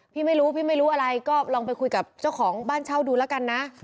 พี่ไม่รู้พี่ไม่รู้อะไรก็ลองไปคุยกับเจ้าของบ้านเช่าดูแล้วกันนะ